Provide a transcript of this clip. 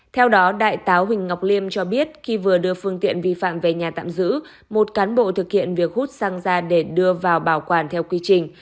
theo đó đại tá huỳnh ngọc liêm cho biết khi vừa đưa phương tiện vi phạm về nhà tạm giữ một cán bộ thực hiện việc hút xăng ra để đưa vào bảo quản theo quy trình